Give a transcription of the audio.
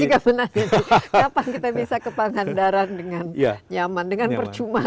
kita juga menanggung kapan kita bisa ke pangandaran dengan nyaman dengan percuma